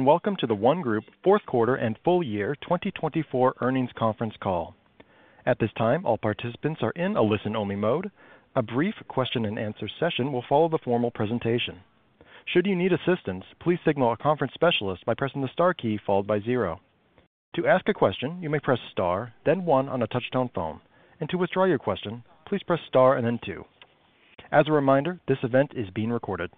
Welcome to The ONE Group fourth quarter and full year 2024 earnings conference call. At this time, all participants are in a listen-only mode. A brief question-and-answer session will follow the formal presentation. Should you need assistance, please signal a conference specialist by pressing the star key followed by zero. To ask a question, you may press star, then one on a touch-tone phone. To withdraw your question, please press star and then two. As a reminder, this event is being recorded.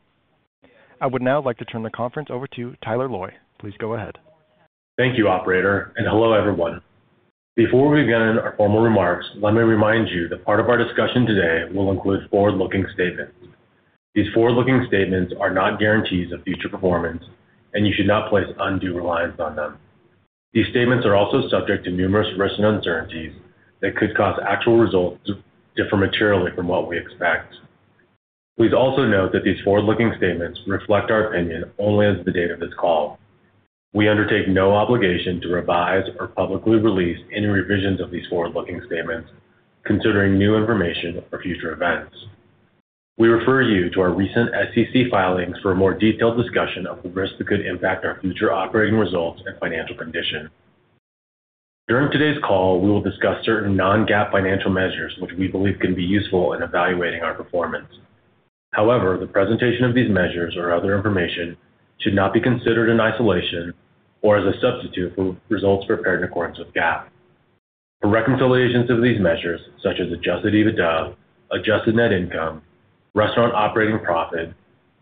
I would now like to turn the conference over to Tyler Loy. Please go ahead. Thank you, Operator, and hello everyone. Before we begin our formal remarks, let me remind you that part of our discussion today will include forward-looking statements. These forward-looking statements are not guarantees of future performance, and you should not place undue reliance on them. These statements are also subject to numerous risks and uncertainties that could cause actual results to differ materially from what we expect. Please also note that these forward-looking statements reflect our opinion only as of the date of this call. We undertake no obligation to revise or publicly release any revisions of these forward-looking statements, considering new information or future events. We refer you to our recent SEC filings for a more detailed discussion of the risks that could impact our future operating results and financial condition. During today's call, we will discuss certain non-GAAP financial measures which we believe can be useful in evaluating our performance. However, the presentation of these measures or other information should not be considered in isolation or as a substitute for results prepared in accordance with GAAP. For reconciliations of these measures, such as adjusted EBITDA, adjusted net income, restaurant operating profit,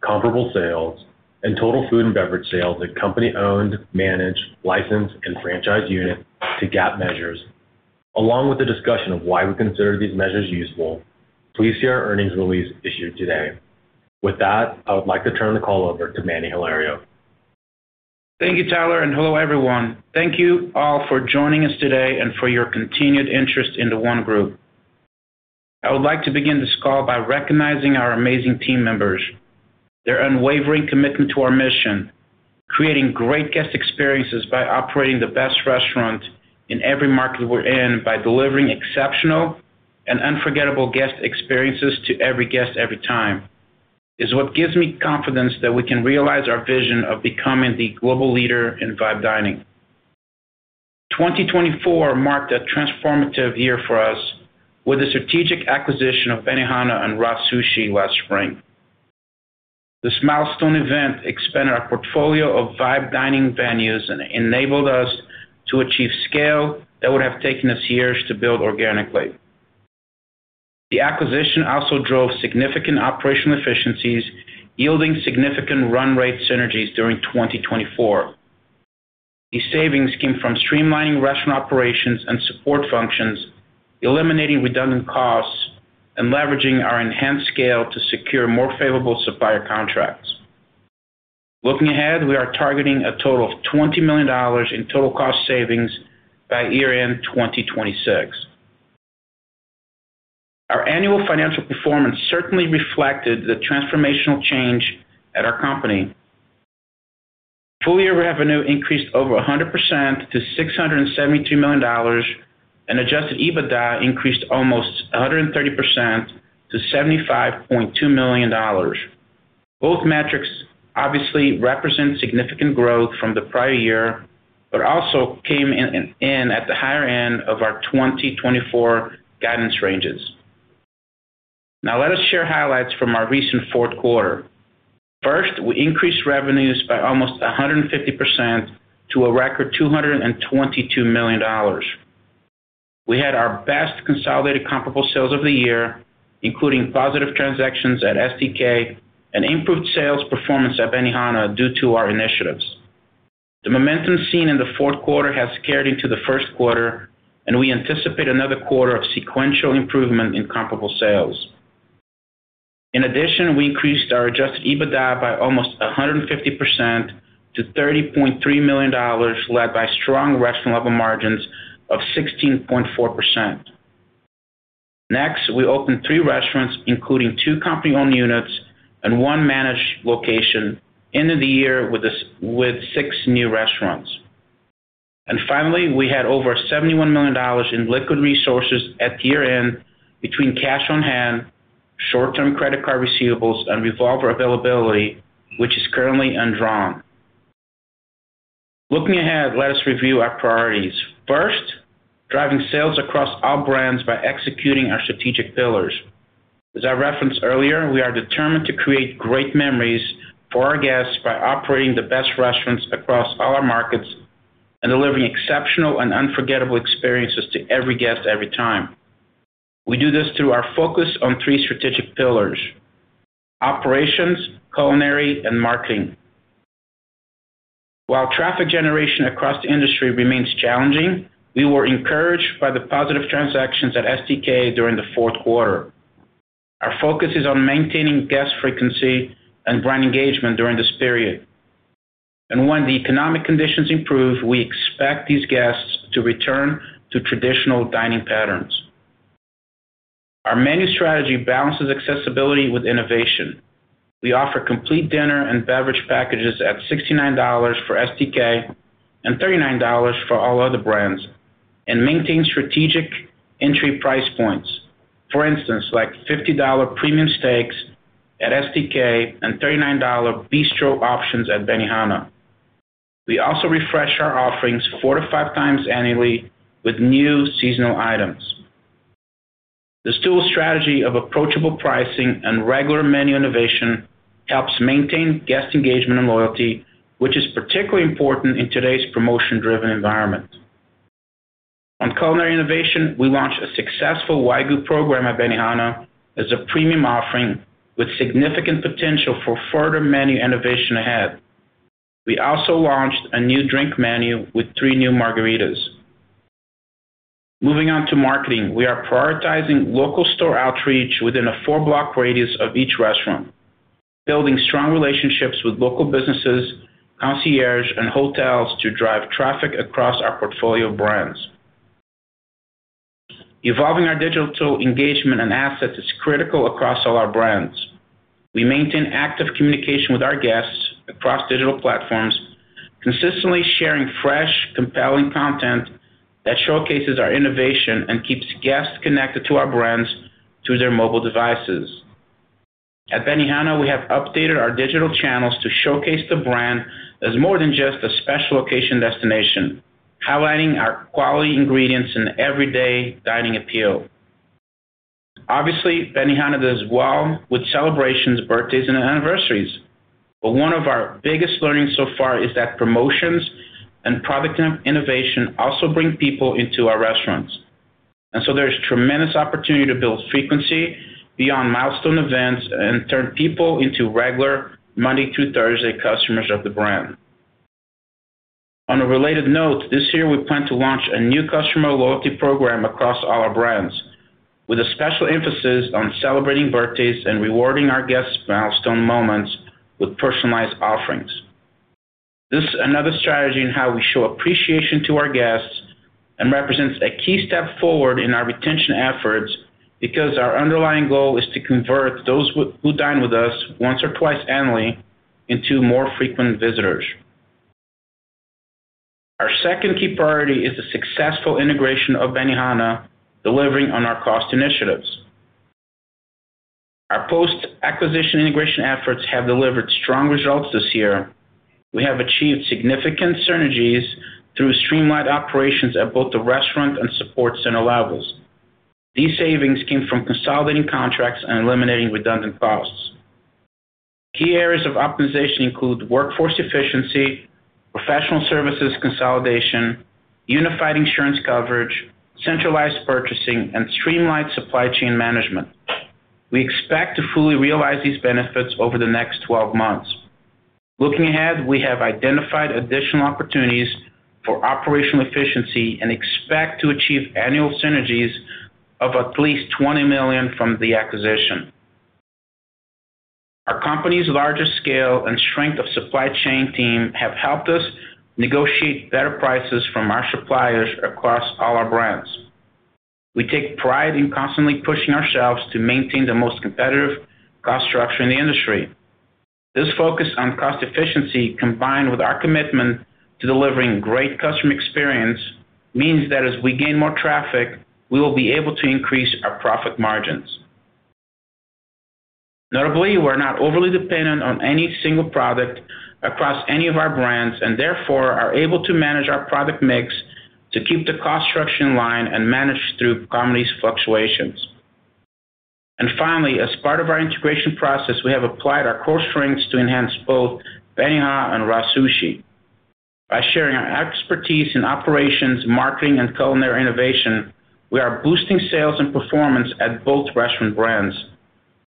comparable sales, and total food and beverage sales at company-owned, managed, licensed, and franchised units to GAAP measures, along with a discussion of why we consider these measures useful, please see our earnings release issued today. With that, I would like to turn the call over to Manny Hilario. Thank you, Tyler, and hello everyone. Thank you all for joining us today and for your continued interest in The ONE Group. I would like to begin this call by recognizing our amazing team members, their unwavering commitment to our mission, creating great guest experiences by operating the best restaurant in every market we're in, by delivering exceptional and unforgettable guest experiences to every guest every time, is what gives me confidence that we can realize our vision of becoming the global leader in vibe dining. 2024 marked a transformative year for us with the strategic acquisition of Benihana and RA Sushi last spring. This milestone event expanded our portfolio of vibe dining venues and enabled us to achieve scale that would have taken us years to build organically. The acquisition also drove significant operational efficiencies, yielding significant run rate synergies during 2024. These savings came from streamlining restaurant operations and support functions, eliminating redundant costs, and leveraging our enhanced scale to secure more favorable supplier contracts. Looking ahead, we are targeting a total of $20 million in total cost savings by year-end 2026. Our annual financial performance certainly reflected the transformational change at our company. Full-year revenue increased over 100% to $672 million, and adjusted EBITDA increased almost 130% to $75.2 million. Both metrics obviously represent significant growth from the prior year, but also came in at the higher end of our 2024 guidance ranges. Now, let us share highlights from our recent fourth quarter. First, we increased revenues by almost 150% to a record $222 million. We had our best consolidated comparable sales of the year, including positive transactions at STK and improved sales performance at Benihana due to our initiatives. The momentum seen in the fourth quarter has carried into the first quarter, and we anticipate another quarter of sequential improvement in comparable sales. In addition, we increased our adjusted EBITDA by almost 150% to $30.3 million, led by strong restaurant-level margins of 16.4%. Next, we opened three restaurants, including two company-owned units and one managed location, ending the year with six new restaurants. Finally, we had over $71 million in liquid resources at year-end between cash on hand, short-term credit card receivables, and revolver availability, which is currently undrawn. Looking ahead, let us review our priorities. First, driving sales across all brands by executing our strategic pillars. As I referenced earlier, we are determined to create great memories for our guests by operating the best restaurants across all our markets and delivering exceptional and unforgettable experiences to every guest every time. We do this through our focus on three strategic pillars: operations, culinary, and marketing. While traffic generation across the industry remains challenging, we were encouraged by the positive transactions at STK during the fourth quarter. Our focus is on maintaining guest frequency and brand engagement during this period. When the economic conditions improve, we expect these guests to return to traditional dining patterns. Our menu strategy balances accessibility with innovation. We offer complete dinner and beverage packages at $69 for STK and $39 for all other brands, and maintain strategic entry price points, for instance, like $50 premium steaks at STK and $39 bistro options at Benihana. We also refresh our offerings four to five times annually with new seasonal items. This dual strategy of approachable pricing and regular menu innovation helps maintain guest engagement and loyalty, which is particularly important in today's promotion-driven environment. On culinary innovation, we launched a successful Wagyu program at Benihana as a premium offering with significant potential for further menu innovation ahead. We also launched a new drink menu with three new margaritas. Moving on to marketing, we are prioritizing local store outreach within a four-block radius of each restaurant, building strong relationships with local businesses, concierge, and hotels to drive traffic across our portfolio of brands. Evolving our digital engagement and assets is critical across all our brands. We maintain active communication with our guests across digital platforms, consistently sharing fresh, compelling content that showcases our innovation and keeps guests connected to our brands through their mobile devices. At Benihana, we have updated our digital channels to showcase the brand as more than just a special location destination, highlighting our quality ingredients and everyday dining appeal. Obviously, Benihana does well with celebrations, birthdays, and anniversaries, but one of our biggest learnings so far is that promotions and product innovation also bring people into our restaurants. There is tremendous opportunity to build frequency beyond milestone events and turn people into regular Monday through Thursday customers of the brand. On a related note, this year we plan to launch a new customer loyalty program across all our brands, with a special emphasis on celebrating birthdays and rewarding our guests' milestone moments with personalized offerings. This is another strategy in how we show appreciation to our guests and represents a key step forward in our retention efforts because our underlying goal is to convert those who dine with us once or twice annually into more frequent visitors. Our second key priority is the successful integration of Benihana delivering on our cost initiatives. Our post-acquisition integration efforts have delivered strong results this year. We have achieved significant synergies through streamlined operations at both the restaurant and support center levels. These savings came from consolidating contracts and eliminating redundant costs. Key areas of optimization include workforce efficiency, professional services consolidation, unified insurance coverage, centralized purchasing, and streamlined supply chain management. We expect to fully realize these benefits over the next 12 months. Looking ahead, we have identified additional opportunities for operational efficiency and expect to achieve annual synergies of at least $20 million from the acquisition. Our company's larger scale and strength of supply chain team have helped us negotiate better prices from our suppliers across all our brands. We take pride in constantly pushing ourselves to maintain the most competitive cost structure in the industry. This focus on cost efficiency, combined with our commitment to delivering great customer experience, means that as we gain more traffic, we will be able to increase our profit margins. Notably, we're not overly dependent on any single product across any of our brands and therefore are able to manage our product mix to keep the cost structure in line and manage through commodities fluctuations. Finally, as part of our integration process, we have applied our core strengths to enhance both Benihana and RA Sushi. By sharing our expertise in operations, marketing, and culinary innovation, we are boosting sales and performance at both restaurant brands.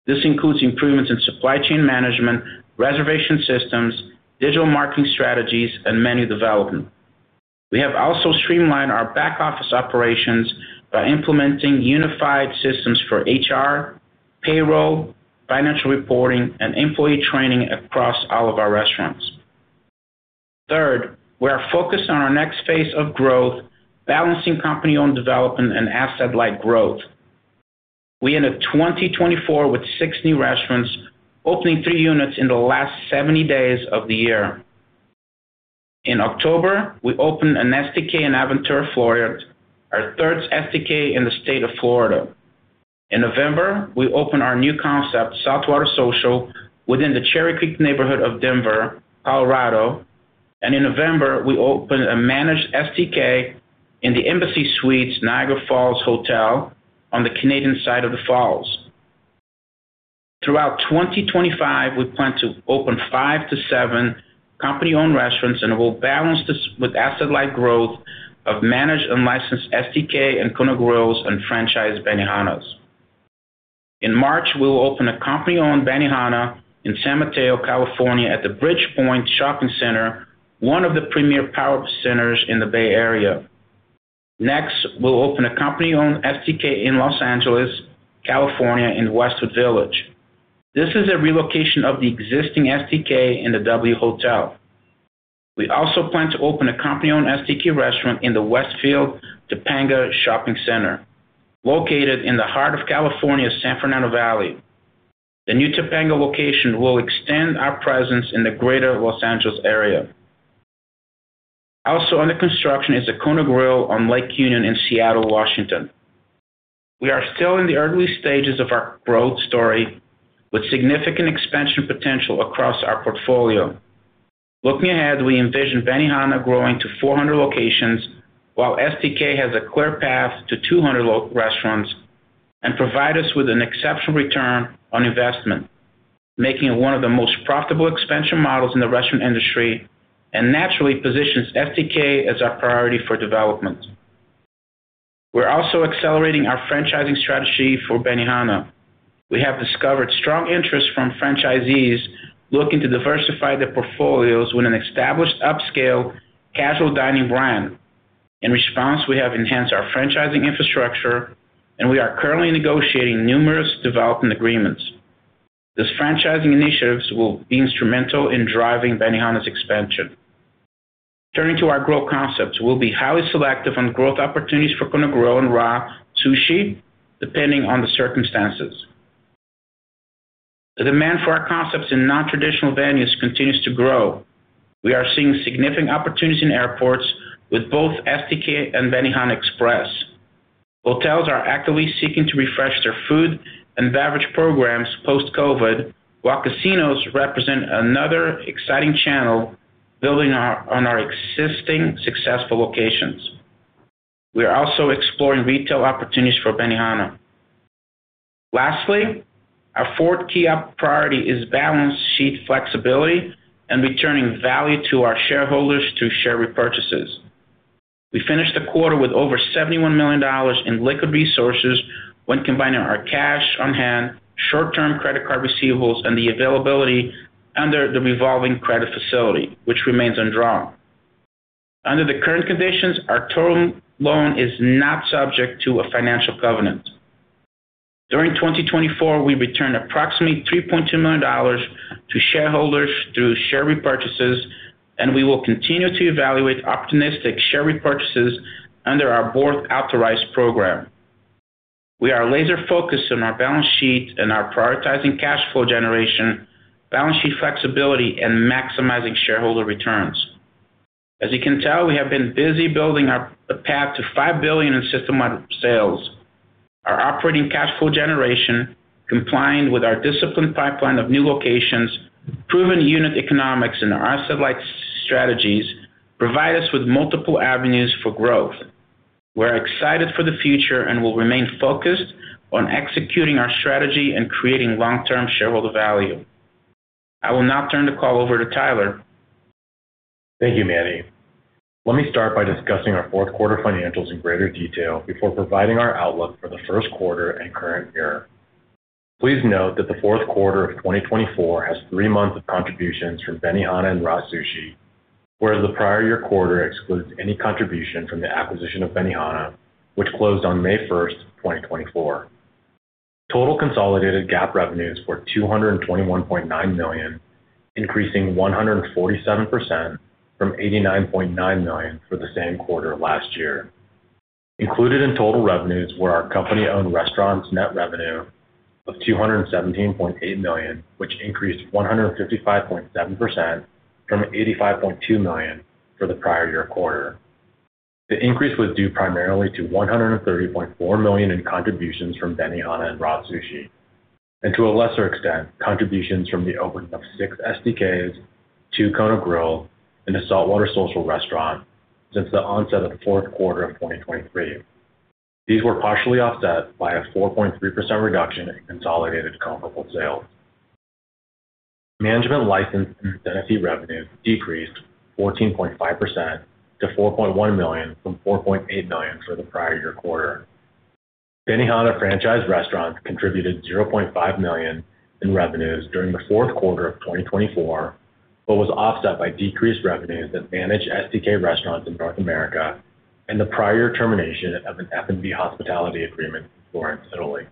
This includes improvements in supply chain management, reservation systems, digital marketing strategies, and menu development. We have also streamlined our back office operations by implementing unified systems for HR, payroll, financial reporting, and employee training across all of our restaurants. Third, we are focused on our next phase of growth, balancing company-owned development and asset-light growth. We ended 2024 with six new restaurants, opening three units in the last 70 days of the year. In October, we opened an STK in Aventura, Florida, our third STK in the state of Florida. In November, we opened our new concept, Saltwater Social, within the Cherry Creek neighborhood of Denver, Colorado. In November, we opened a managed STK in the Embassy Suites Niagara Falls Hotel on the Canadian side of the Falls. Throughout 2025, we plan to open five to seven company-owned restaurants and will balance this with asset-light growth of managed and licensed STK and Kona Grills and franchise Benihanas. In March, we will open a company-owned Benihana in San Mateo, California, at the Bridgepointe Shopping Center, one of the premier power centers in the Bay Area. Next, we'll open a company-owned STK in Los Angeles, California, in Westwood Village. This is a relocation of the existing STK in the W Hotel. We also plan to open a company-owned STK restaurant in the Westfield Topanga Shopping Center, located in the heart of California, San Fernando Valley. The new Topanga location will extend our presence in the greater Los Angeles area. Also under construction is a Kona Grill on Lake Union in Seattle, Washington. We are still in the early stages of our growth story, with significant expansion potential across our portfolio. Looking ahead, we envision Benihana growing to 400 locations while STK has a clear path to 200 restaurants and provides us with an exceptional return on investment, making it one of the most profitable expansion models in the restaurant industry and naturally positions STK as our priority for development. We're also accelerating our franchising strategy for Benihana. We have discovered strong interest from franchisees looking to diversify their portfolios with an established upscale casual dining brand. In response, we have enhanced our franchising infrastructure, and we are currently negotiating numerous development agreements. These franchising initiatives will be instrumental in driving Benihana's expansion. Turning to our growth concepts, we'll be highly selective on growth opportunities for Kona Grill and RA Sushi, depending on the circumstances. The demand for our concepts in non-traditional venues continues to grow. We are seeing significant opportunities in airports with both STK and Benihana Express. Hotels are actively seeking to refresh their food and beverage programs post-COVID, while casinos represent another exciting channel building on our existing successful locations. We are also exploring retail opportunities for Benihana. Lastly, our fourth key priority is balance sheet flexibility and returning value to our shareholders through share repurchases. We finished the quarter with over $71 million in liquid resources when combining our cash on hand, short-term credit card receivables, and the availability under the revolving credit facility, which remains undrawn. Under the current conditions, our term loan is not subject to a financial covenant. During 2024, we returned approximately $3.2 million to shareholders through share repurchases, and we will continue to evaluate opportunistic share repurchases under our board authorized program. We are laser-focused on our balance sheet and are prioritizing cash flow generation, balance sheet flexibility, and maximizing shareholder returns. As you can tell, we have been busy building a path to $5 billion in system-wide sales. Our operating cash flow generation, complying with our disciplined pipeline of new locations, proven unit economics, and our asset-light strategies provide us with multiple avenues for growth. We're excited for the future and will remain focused on executing our strategy and creating long-term shareholder value. I will now turn the call over to Tyler. Thank you, Manny. Let me start by discussing our fourth quarter financials in greater detail before providing our outlook for the first quarter and current year. Please note that the fourth quarter of 2024 has three months of contributions from Benihana and RA Sushi, whereas the prior year quarter excludes any contribution from the acquisition of Benihana, which closed on May 1st, 2024. Total consolidated GAAP revenues were $221.9 million, increasing 147% from $89.9 million for the same quarter last year. Included in total revenues were our company-owned restaurants' net revenue of $217.8 million, which increased 155.7% from $85.2 million for the prior year quarter. The increase was due primarily to $130.4 million in contributions from Benihana and RA Sushi, and to a lesser extent, contributions from the opening of six STKs, two Kona Grill, and the Saltwater Social restaurant since the onset of the fourth quarter of 2023. These were partially offset by a 4.3% reduction in consolidated comparable sales. Management license and incentive revenues decreased 14.5% to $4.1 million from $4.8 million for the prior year quarter. Benihana franchise restaurants contributed $0.5 million in revenues during the fourth quarter of 2024, but was offset by decreased revenues at managed STK restaurants in North America and the prior termination of an F&B hospitality agreement in Florence, Italy.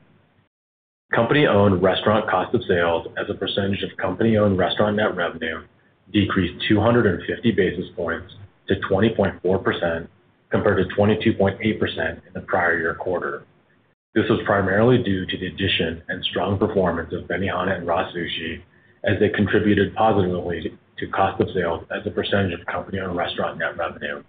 Company-owned restaurant cost of sales as a percentage of company-owned restaurant net revenue decreased 250 basis points to 20.4% compared to 22.8% in the prior year quarter. This was primarily due to the addition and strong performance of Benihana and RA Sushi, as they contributed positively to cost of sales as a percentage of company-owned restaurant net revenue.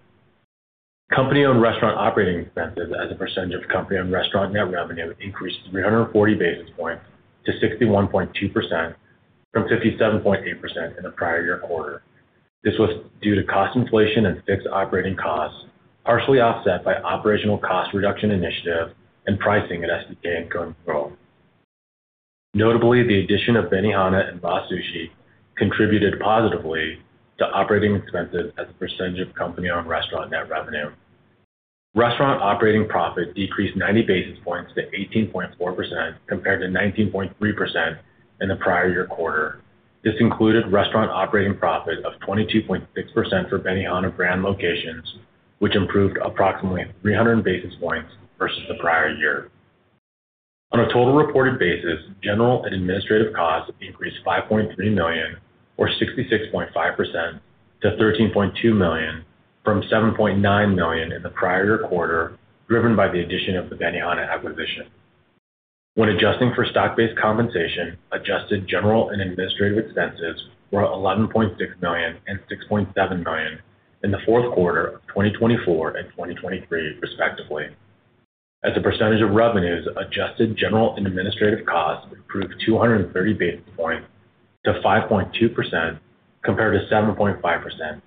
Company-owned restaurant operating expenses as a percentage of company-owned restaurant net revenue increased 340 basis points to 61.2% from 57.8% in the prior year quarter. This was due to cost inflation and fixed operating costs, partially offset by operational cost reduction initiative and pricing at STK and Kona Grill. Notably, the addition of Benihana and RA Sushi contributed positively to operating expenses as a percentage of company-owned restaurant net revenue. Restaurant operating profit decreased 90 basis points to 18.4% compared to 19.3% in the prior year quarter. This included restaurant operating profit of 22.6% for Benihana brand locations, which improved approximately 300 basis points versus the prior year. On a total reported basis, general and administrative costs increased $5.3 million, or 66.5%, to $13.2 million from $7.9 million in the prior year quarter, driven by the addition of the Benihana acquisition. When adjusting for stock-based compensation, adjusted general and administrative expenses were $11.6 million and $6.7 million in the fourth quarter of 2024 and 2023, respectively. As a percentage of revenues, adjusted general and administrative costs improved 230 basis points to 5.2% compared to 7.5%.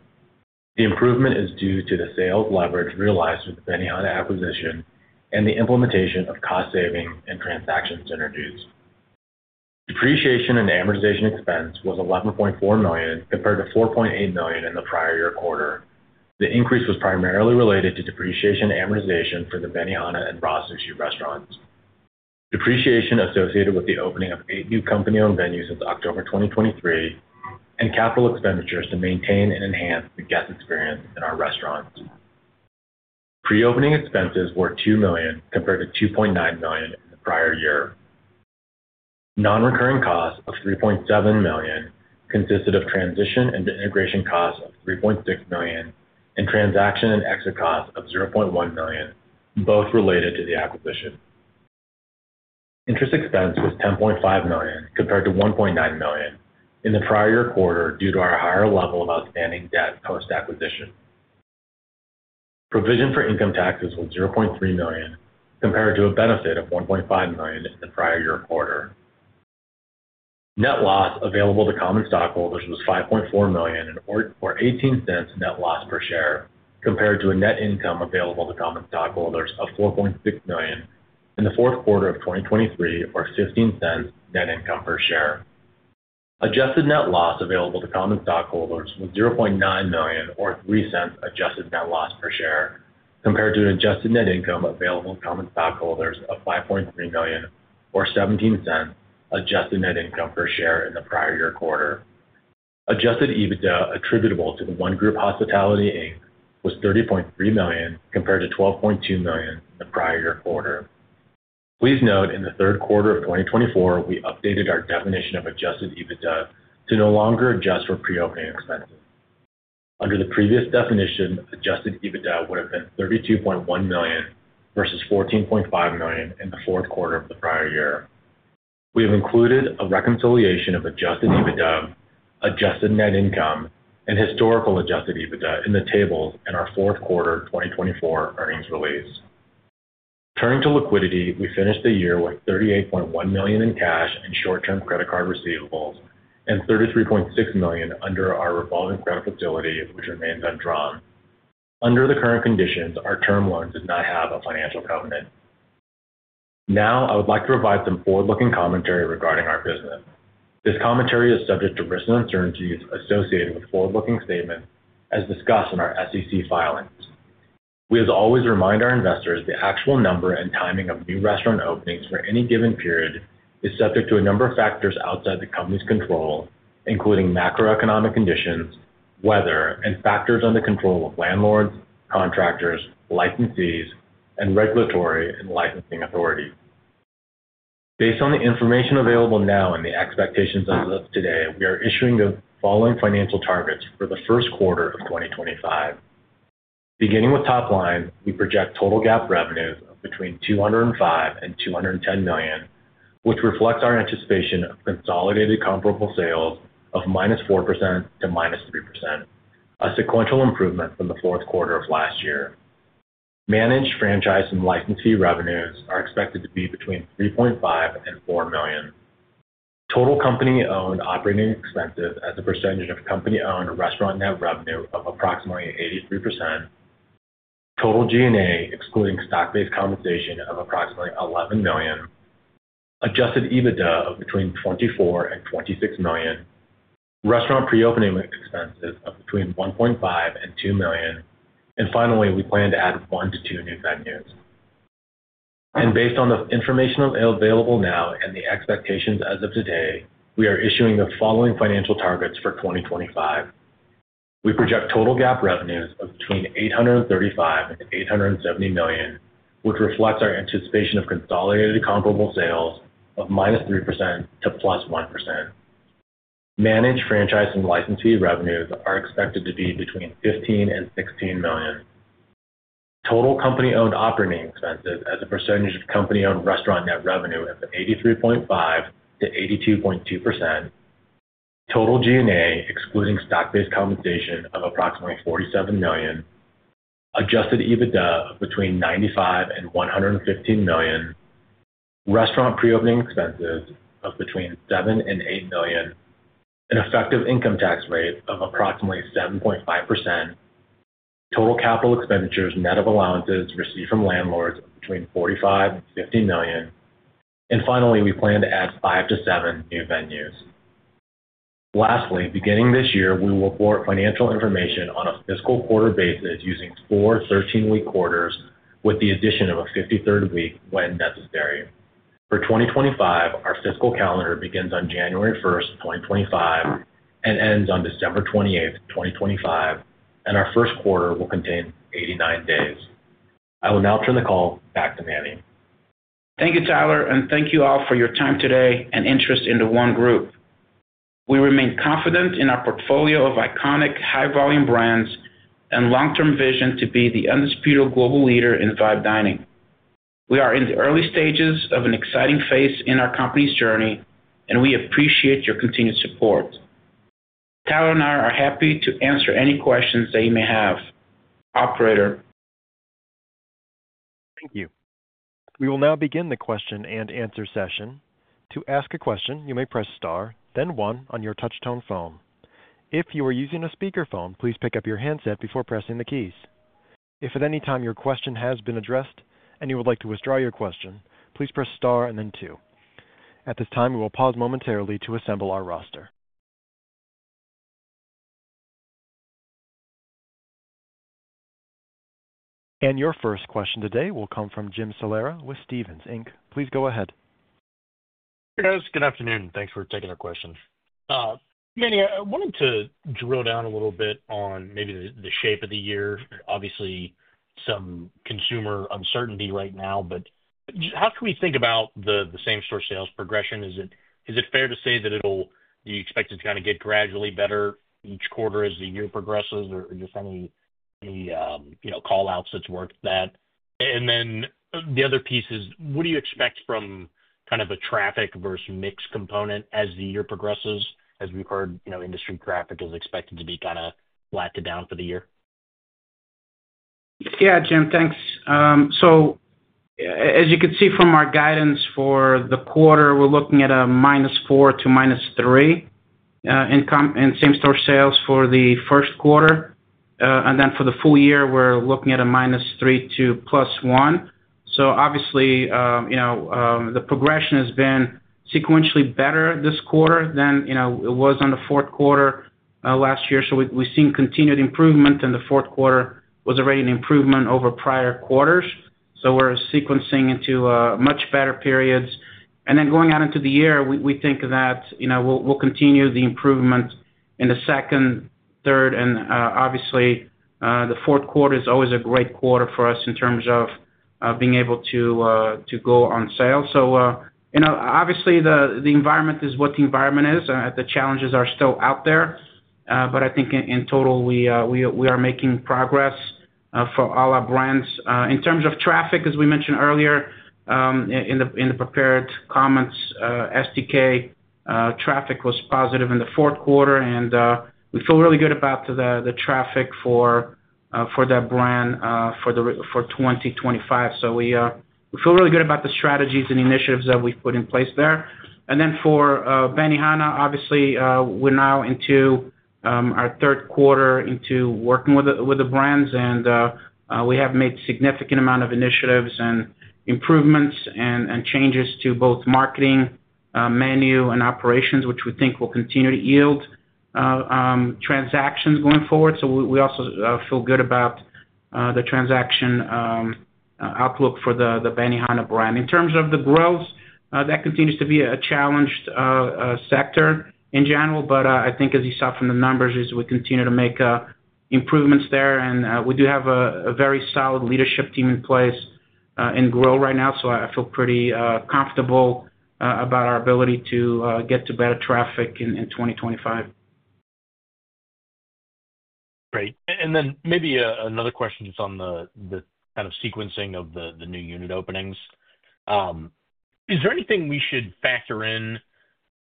The improvement is due to the sales leverage realized with the Benihana acquisition and the implementation of cost saving and transaction synergies. Depreciation and amortization expense was $11.4 million compared to $4.8 million in the prior year quarter. The increase was primarily related to depreciation and amortization for the Benihana and RA Sushi restaurants. Depreciation associated with the opening of eight new company-owned venues since October 2023 and capital expenditures to maintain and enhance the guest experience in our restaurants. Pre-opening expenses were $2 million compared to $2.9 million in the prior year. Non-recurring costs of $3.7 million consisted of transition and integration costs of $3.6 million and transaction and exit costs of $0.1 million, both related to the acquisition. Interest expense was $10.5 million compared to $1.9 million in the prior year quarter due to our higher level of outstanding debt post-acquisition. Provision for income taxes was $0.3 million compared to a benefit of $1.5 million in the prior year quarter. Net loss available to common stockholders was $5.4 million or $0.18 net loss per share compared to a net income available to common stockholders of $4.6 million in the fourth quarter of 2023 or $0.15 net income per share. Adjusted net loss available to common stockholders was $0.9 million or $0.03 adjusted net loss per share compared to an adjusted net income available to common stockholders of $5.3 million or $0.17 adjusted net income per share in the prior year quarter. Adjusted EBITDA attributable to The ONE Group Hospitality was $30.3 million compared to $12.2 million in the prior year quarter. Please note in the third quarter of 2024, we updated our definition of adjusted EBITDA to no longer adjust for pre-opening expenses. Under the previous definition, adjusted EBITDA would have been $32.1 million versus $14.5 million in the fourth quarter of the prior year. We have included a reconciliation of adjusted EBITDA, adjusted net income, and historical adjusted EBITDA in the tables in our fourth quarter 2024 earnings release. Turning to liquidity, we finished the year with $38.1 million in cash and short-term credit card receivables and $33.6 million under our revolving credit facility, which remains undrawn. Under the current conditions, our term loan did not have a financial covenant. Now, I would like to provide some forward-looking commentary regarding our business. This commentary is subject to risks and uncertainties associated with forward-looking statements as discussed in our SEC filings. We as always remind our investors the actual number and timing of new restaurant openings for any given period is subject to a number of factors outside the company's control, including macroeconomic conditions, weather, and factors under control of landlords, contractors, licensees, and regulatory and licensing authorities. Based on the information available now and the expectations of us today, we are issuing the following financial targets for the first quarter of 2025. Beginning with top line, we project total GAAP revenues of between $205 million and $210 million, which reflects our anticipation of consolidated comparable sales of -4% to -3%, a sequential improvement from the fourth quarter of last year. Managed franchise and license fee revenues are expected to be between $3.5 million and $4 million. Total company-owned operating expenses as a percentage of company-owned restaurant net revenue of approximately 83%. Total G&A excluding stock-based compensation of approximately $11 million. Adjusted EBITDA of between $24 million and $26 million. Restaurant pre-opening expenses of between $1.5 million and $2 million. Finally, we plan to add one to two new venues. Based on the information available now and the expectations as of today, we are issuing the following financial targets for 2025. We project total GAAP revenues of between $835 million and $870 million, which reflects our anticipation of consolidated comparable sales of -3% to +1%. Managed franchise and license fee revenues are expected to be between $15 million and $16 million. Total company-owned operating expenses as a percentage of company-owned restaurant net revenue of 83.5%-82.2%. Total G&A excluding stock-based compensation of approximately $47 million. Adjusted EBITDA of between $95 million and $115 million. Restaurant pre-opening expenses of between $7 million and $8 million. An effective income tax rate of approximately 7.5%. Total capital expenditures net of allowances received from landlords of between $45 million and $50 million. Finally, we plan to add five to seven new venues. Lastly, beginning this year, we will report financial information on a fiscal quarter basis using four 13-week quarters with the addition of a 53rd week when necessary. For 2025, our fiscal calendar begins on January 1st, 2025, and ends on December 28th, 2025, and our first quarter will contain 89 days. I will now turn the call back to Manny. Thank you, Tyler, and thank you all for your time today and interest in the ONE Group. We remain confident in our portfolio of iconic high-volume brands and long-term vision to be the undisputed global leader in vibe dining. We are in the early stages of an exciting phase in our company's journey, and we appreciate your continued support. Tyler and I are happy to answer any questions that you may have. Operator. Thank you. We will now begin the question and answer session. To ask a question, you may press star, then one on your touch-tone phone. If you are using a speakerphone, please pick up your handset before pressing the keys. If at any time your question has been addressed and you would like to withdraw your question, please press star and then two. At this time, we will pause momentarily to assemble our roster. Your first question today will come from Jim Salera with Stephens Inc. Please go ahead. Hey, guys. Good afternoon. Thanks for taking our questions. Manny, I wanted to drill down a little bit on maybe the shape of the year. Obviously, some consumer uncertainty right now, but how can we think about the same-store sales progression? Is it fair to say that you expect it to kind of get gradually better each quarter as the year progresses, or just any callouts that's worth that? The other piece is, what do you expect from kind of a traffic versus mix component as the year progresses? As we've heard, industry traffic is expected to be kind of flattened down for the year. Yeah, Jim, thanks. As you can see from our guidance for the quarter, we're looking at a -4% to -3% in same-store sales for the first quarter. For the full year, we're looking at a -3% to +1%. Obviously, the progression has been sequentially better this quarter than it was in the fourth quarter last year. We've seen continued improvement, and the fourth quarter was already an improvement over prior quarters. We're sequencing into much better periods. Going out into the year, we think that we'll continue the improvement in the second, third, and obviously, the fourth quarter is always a great quarter for us in terms of being able to go on sale. Obviously, the environment is what the environment is, and the challenges are still out there. I think in total, we are making progress for all our brands. In terms of traffic, as we mentioned earlier in the prepared comments, STK traffic was positive in the fourth quarter, and we feel really good about the traffic for that brand for 2025. We feel really good about the strategies and initiatives that we've put in place there. For Benihana, obviously, we're now into our third quarter into working with the brands, and we have made a significant amount of initiatives and improvements and changes to both marketing, menu, and operations, which we think will continue to yield transactions going forward. We also feel good about the transaction outlook for the Benihana brand. In terms of the growth, that continues to be a challenged sector in general, but I think as you saw from the numbers, we continue to make improvements there. We do have a very solid leadership team in place in growth right now, so I feel pretty comfortable about our ability to get to better traffic in 2025. Great. Maybe another question just on the kind of sequencing of the new unit openings. Is there anything we should factor in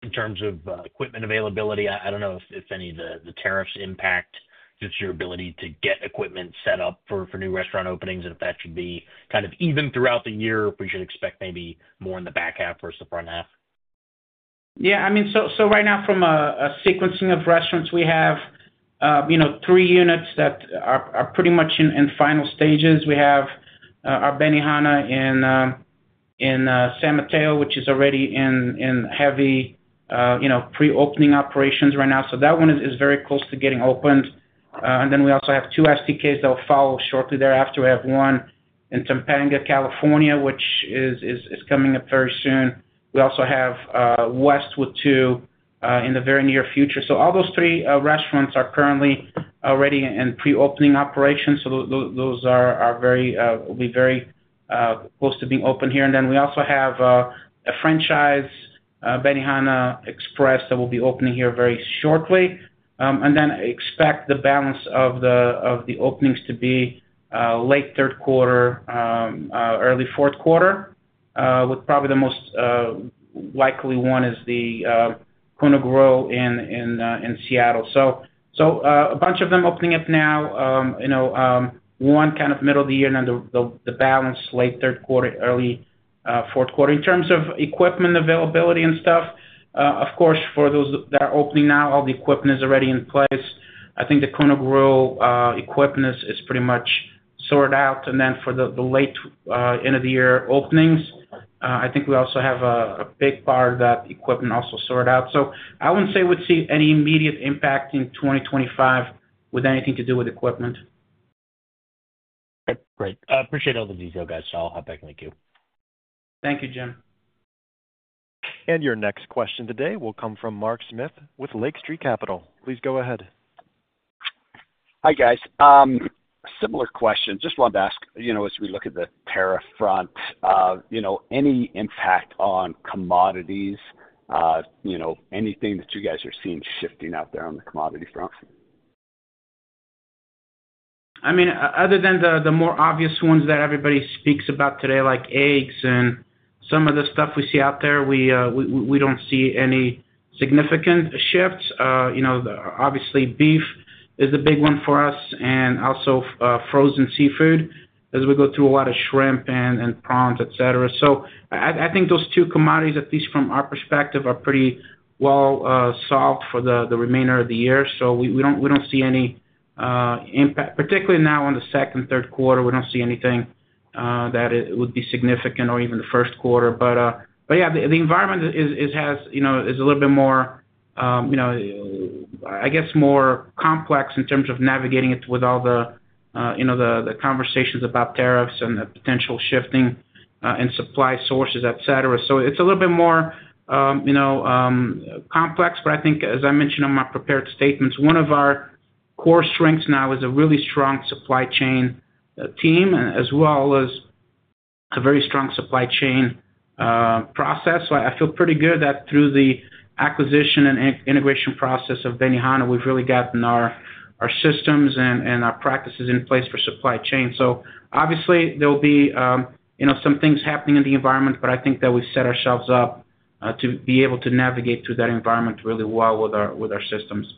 in terms of equipment availability? I do not know if any of the tariffs impact just your ability to get equipment set up for new restaurant openings and if that should be kind of even throughout the year, or we should expect maybe more in the back half versus the front half? Yeah. I mean, so right now, from a sequencing of restaurants, we have three units that are pretty much in final stages. We have our Benihana in San Mateo, which is already in heavy pre-opening operations right now. That one is very close to getting opened. We also have two STKs that will follow shortly thereafter. We have one in Topanga, California, which is coming up very soon. We also have Westwood, too, in the very near future. All those three restaurants are currently already in pre-opening operations, so those will be very close to being opened here. We also have a franchise Benihana Express that will be opening here very shortly. I expect the balance of the openings to be late third quarter, early fourth quarter, with probably the most likely one being the Kona Grill in Seattle. A bunch of them opening up now, one kind of middle of the year, and then the balance late third quarter, early fourth quarter. In terms of equipment availability and stuff, of course, for those that are opening now, all the equipment is already in place. I think the Kona Grill equipment is pretty much sorted out. And then for the late end of the year openings, I think we also have a big part of that equipment also sorted out. I would not say we'd see any immediate impact in 2025 with anything to do with equipment. Okay. Great. Appreciate all the detail, guys. I'll hop back and thank you. Thank you, Jim. Your next question today will come from Mark Smith with Lake Street Capital. Please go ahead. Hi, guys. Similar question. Just wanted to ask, as we look at the tariff front, any impact on commodities, anything that you guys are seeing shifting out there on the commodity front? I mean, other than the more obvious ones that everybody speaks about today, like eggs and some of the stuff we see out there, we don't see any significant shifts. Obviously, beef is the big one for us, and also frozen seafood as we go through a lot of shrimp and prawns, etc. I think those two commodities, at least from our perspective, are pretty well solved for the remainder of the year. We don't see any impact, particularly now on the second and third quarter. We don't see anything that would be significant or even the first quarter. Yeah, the environment is a little bit more, I guess, more complex in terms of navigating it with all the conversations about tariffs and the potential shifting in supply sources, etc. It is a little bit more complex, but I think, as I mentioned in my prepared statements, one of our core strengths now is a really strong supply chain team as well as a very strong supply chain process. I feel pretty good that through the acquisition and integration process of Benihana, we've really gotten our systems and our practices in place for supply chain. Obviously, there will be some things happening in the environment, but I think that we've set ourselves up to be able to navigate through that environment really well with our systems.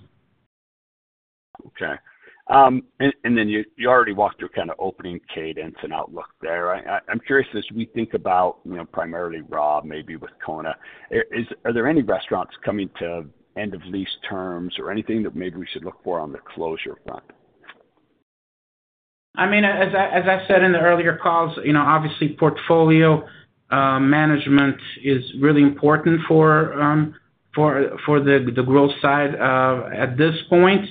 Okay. You already walked through kind of opening cadence and outlook there. I'm curious, as we think about primarily RA, maybe with Kona, are there any restaurants coming to end-of-lease terms or anything that maybe we should look for on the closure front? I mean, as I said in the earlier calls, obviously, portfolio management is really important for the growth side at this point.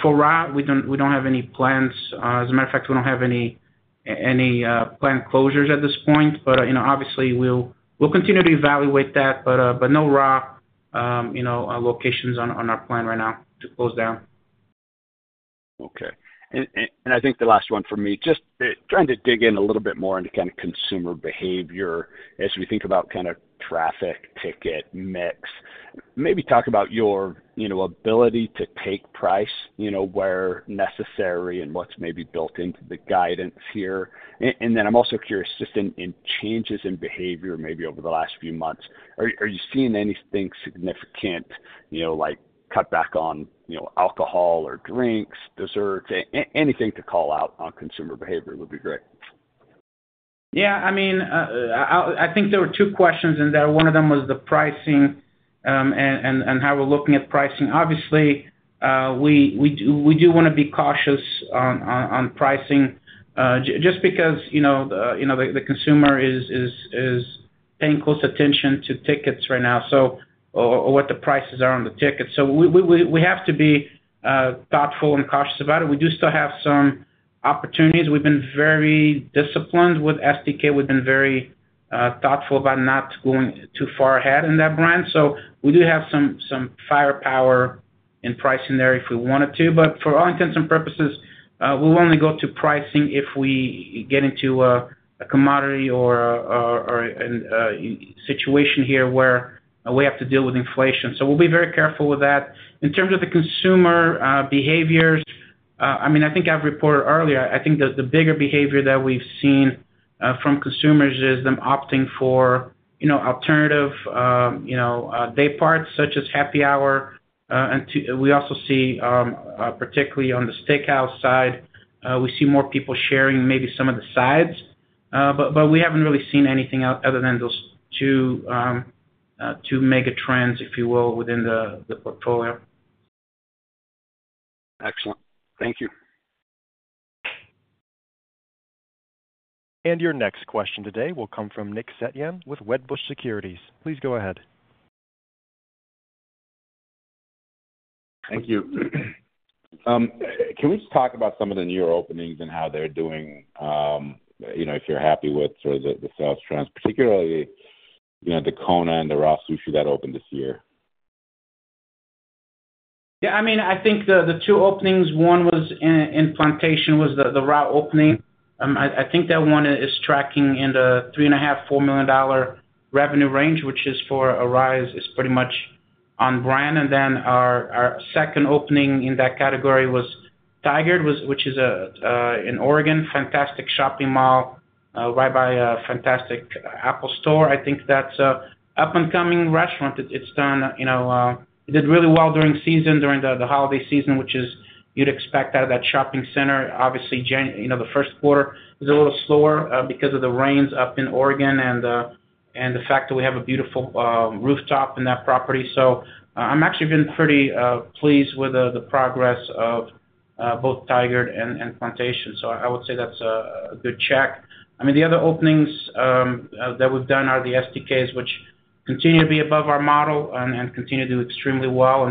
For RA, we don't have any plans. As a matter of fact, we don't have any planned closures at this point. Obviously, we'll continue to evaluate that, but no RA locations on our plan right now to close down. Okay. I think the last one for me, just trying to dig in a little bit more into kind of consumer behavior as we think about kind of traffic ticket mix. Maybe talk about your ability to take price where necessary and what's maybe built into the guidance here. I am also curious, just in changes in behavior maybe over the last few months, are you seeing anything significant like cutback on alcohol or drinks, desserts, anything to call out on consumer behavior would be great. Yeah. I mean, I think there were two questions in there. One of them was the pricing and how we're looking at pricing. Obviously, we do want to be cautious on pricing just because the consumer is paying close attention to tickets right now or what the prices are on the tickets. We have to be thoughtful and cautious about it. We do still have some opportunities. We've been very disciplined with STK. We've been very thoughtful about not going too far ahead in that brand. We do have some firepower in pricing there if we wanted to. For all intents and purposes, we'll only go to pricing if we get into a commodity or a situation here where we have to deal with inflation. We'll be very careful with that. In terms of the consumer behaviors, I mean, I think I've reported earlier. I think the bigger behavior that we've seen from consumers is them opting for alternative day parts such as happy hour. We also see, particularly on the steakhouse side, we see more people sharing maybe some of the sides. We haven't really seen anything other than those two mega trends, if you will, within the portfolio. Excellent. Thank you. Your next question today will come from Nick Setyan with Wedbush Securities. Please go ahead. Thank you. Can we just talk about some of the newer openings and how they're doing, if you're happy with sort of the sales trends, particularly the Kona and the RA Sushi that opened this year? Yeah. I mean, I think the two openings, one was in Plantation, was the RA opening. I think that one is tracking in the $3.5 million-$4 million revenue range, which is for RA is pretty much on brand. And then our second opening in that category was Tigard, which is in Oregon, fantastic shopping mall right by a fantastic Apple Store. I think that's an up-and-coming restaurant. It's done it did really well during the holiday season, which is you'd expect out of that shopping center. Obviously, the first quarter is a little slower because of the rains up in Oregon and the fact that we have a beautiful rooftop in that property. I'm actually been pretty pleased with the progress of both Tigard and Plantation. I would say that's a good check. I mean, the other openings that we've done are the STKs, which continue to be above our model and continue to do extremely well.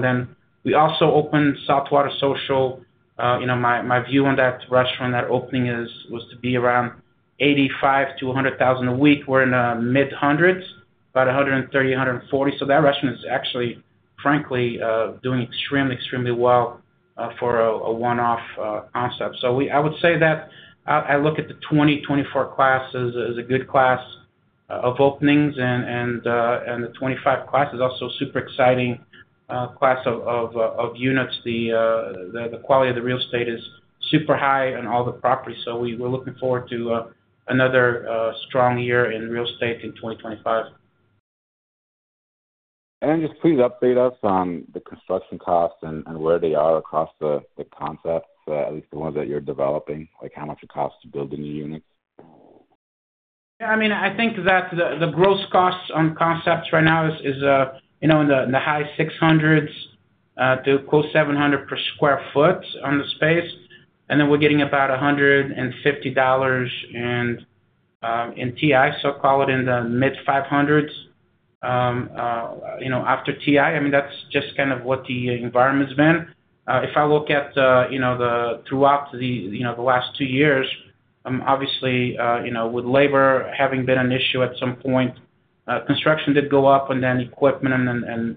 We also opened Saltwater Social. My view on that restaurant, that opening was to be around $85,000-$100,000 a week. We're in the mid hundreds, about $130,000-$140,000. That restaurant is actually, frankly, doing extremely, extremely well for a one-off concept. I would say that I look at the 2024 class as a good class of openings, and the 2025 class is also a super exciting class of units. The quality of the real estate is super high on all the properties. We are looking forward to another strong year in real estate in 2025. Please update us on the construction costs and where they are across the concepts, at least the ones that you are developing, like how much it costs to build the new units. Yeah. I mean, I think that the gross costs on concepts right now is in the high $600s to close $700 per square foot on the space. We are getting about $150 in TI, so call it in the mid $500s after TI. I mean, that is just kind of what the environment has been. If I look at throughout the last two years, obviously, with labor having been an issue at some point, construction did go up and then equipment and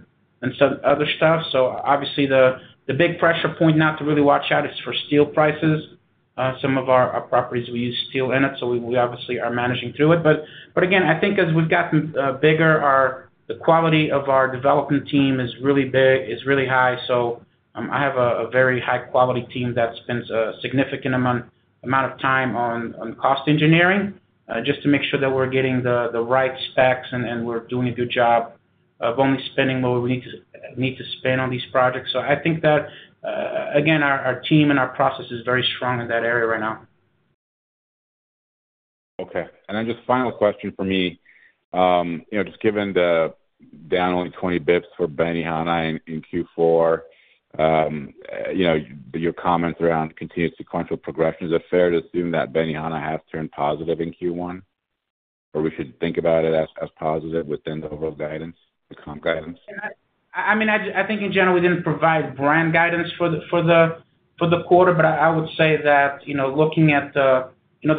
some other stuff. Obviously, the big pressure point to really watch out for is steel prices. Some of our properties, we use steel in it, so we obviously are managing through it. Again, I think as we've gotten bigger, the quality of our development team is really big, is really high. I have a very high-quality team that spends a significant amount of time on cost engineering just to make sure that we're getting the right specs and we're doing a good job of only spending what we need to spend on these projects. I think that, again, our team and our process is very strong in that area right now. Okay. And then just final question for me, just given the down only 20 basis points for Benihana in Q4, your comments around continued sequential progression, is it fair to assume that Benihana has turned positive in Q1, or we should think about it as positive within the overall guidance, the comp guidance? I mean, I think in general, we didn't provide brand guidance for the quarter, but I would say that looking at the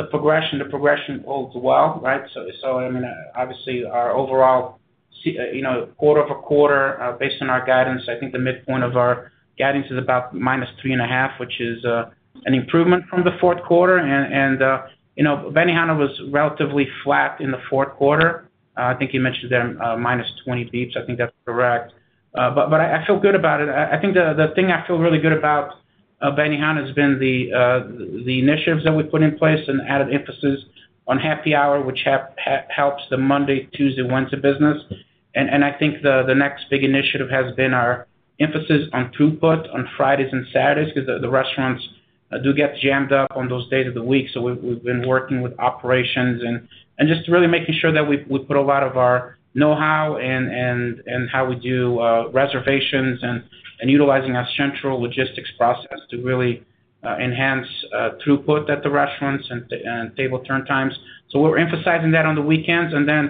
progression, the progression holds well, right? I mean, obviously, our overall quarter-over-quarter, based on our guidance, I think the midpoint of our guidance is about -3.5%, which is an improvement from the fourth quarter. And Benihana was relatively flat in the fourth quarter. I think you mentioned there -20 basis points. I think that's correct. But I feel good about it. I think the thing I feel really good about Benihana has been the initiatives that we put in place and added emphasis on happy hour, which helps the Monday, Tuesday, Wednesday business. I think the next big initiative has been our emphasis on throughput on Fridays and Saturdays because the restaurants do get jammed up on those days of the week. We have been working with operations and just really making sure that we put a lot of our know-how and how we do reservations and utilizing our central logistics process to really enhance throughput at the restaurants and table turn times. We are emphasizing that on the weekends. The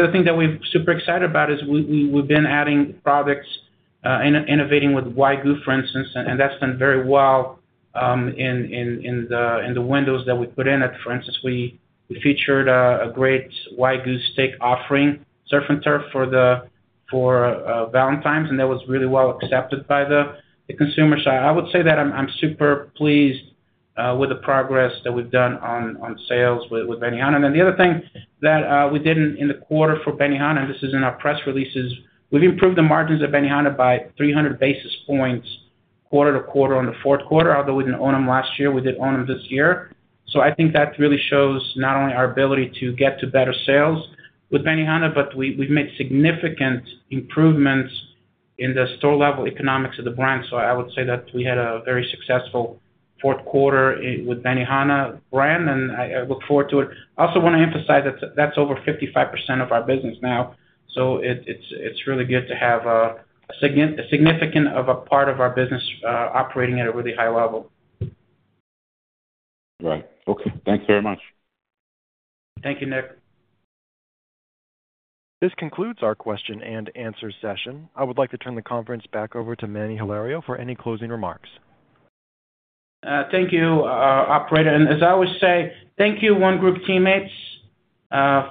other thing that we are super excited about is we have been adding products, innovating with Wagyu, for instance, and that has done very well in the windows that we put in. For instance, we featured a great Wagyu steak offering, Surf and Turf for Valentine's, and that was really well accepted by the consumers. I would say that I'm super pleased with the progress that we've done on sales with Benihana. The other thing that we did in the quarter for Benihana, and this is in our press releases, we've improved the margins of Benihana by 300 basis points quarter to quarter on the fourth quarter, although we didn't own them last year. We did own them this year. I think that really shows not only our ability to get to better sales with Benihana, but we've made significant improvements in the store-level economics of the brand. I would say that we had a very successful fourth quarter with Benihana brand, and I look forward to it. I also want to emphasize that that's over 55% of our business now. So it's really good to have a significant part of our business operating at a really high level. Right. Okay. Thanks very much. Thank you, Nick. This concludes our question and answer session. I would like to turn the conference back over to Manny Hilario for any closing remarks. Thank you, Operator. And as I always say, thank you, ONE Group teammates,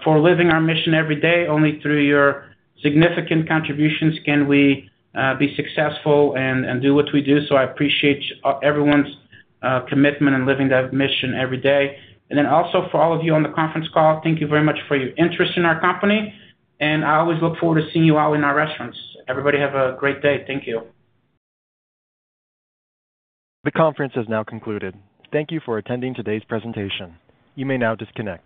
for living our mission every day. Only through your significant contributions can we be successful and do what we do. So I appreciate everyone's commitment and living that mission every day. And then also for all of you on the conference call, thank you very much for your interest in our company. And I always look forward to seeing you all in our restaurants. Everybody have a great day. Thank you. The conference has now concluded. Thank you for attending today's presentation. You may now disconnect.